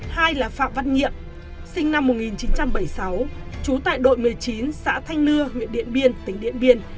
hai là phạm văn nhiệm sinh năm một nghìn chín trăm bảy mươi sáu trú tại đội một mươi chín xã thanh nưa huyện điện biên tỉnh điện biên